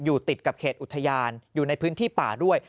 ติดกับเขตอุทยานอยู่ในพื้นที่ป่าด้วย